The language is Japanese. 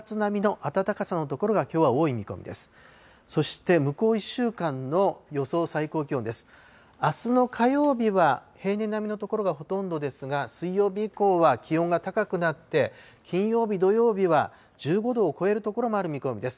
あすの火曜日は、平年並みの所がほとんどですが、水曜日以降は気温が高くなって、金曜日、土曜日は１５度を超える所もある見込みです。